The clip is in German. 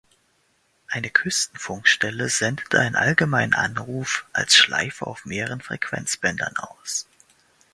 Eine Küstenfunkstelle sendete einen allgemeinen Anruf als Schleife auf mehreren Frequenzbändern aus.